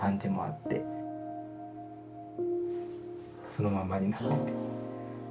そのままになってて。